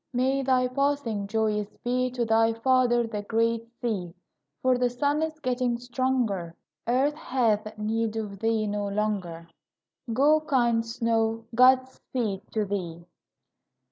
May thy passing joyous be To thy father, the great sea, For the sun is getting stronger; Earth hath need of thee no longer; Go, kind snow, God speed to thee!